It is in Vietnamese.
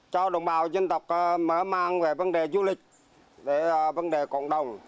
cho đồng bào dân tộc mở mang về vấn đề du lịch về vấn đề cộng đồng